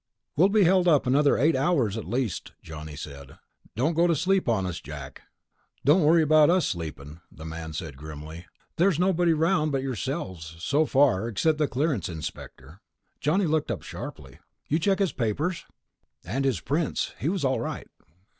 "We'll be held up another eight hours at least," Johnny said. "Don't go to sleep on us, Jack." "Don't worry about us sleepin'," the man said grimly. "There's been nobody around but yourselves, so far ... except the clearance inspector." Johnny looked up sharply. "You check his papers?" "And his prints. He was all right."